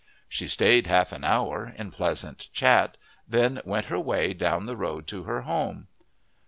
She stayed half an hour in pleasant chat, then went her way down the road to her home.